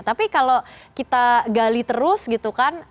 tapi kalau kita gali terus gitu kan